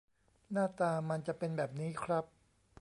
หน้าตามันจะเป็นแบบนี้ครับ